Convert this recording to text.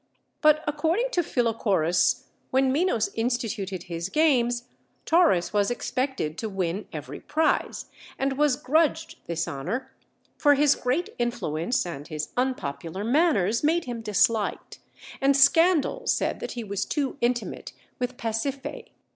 But according to Philochorus, when Minos instituted his games, Taurus was expected to win every prize, and was grudged this honor; for his great influence and his unpopular manners made him disliked, and scandal said that he was too intimate with Pasiphaë.